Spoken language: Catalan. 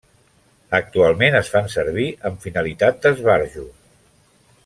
Actualment es fan servir amb finalitat d'esbarjo.